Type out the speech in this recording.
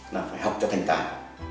là phải học cho thành tài